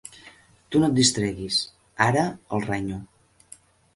Tu no et distreguis, ara —el renyo.